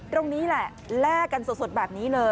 ตรงนี้แหละแลกกันสดแบบนี้เลย